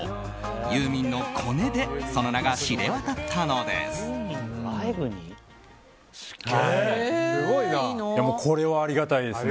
ユーミンのコネでその名が知れ渡ったのです。